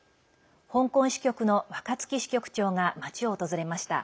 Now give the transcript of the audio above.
香港支局の若槻支局長が街を訪れました。